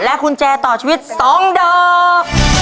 และคุณแจต่อชีวิต๒ดอก